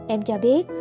em cho biết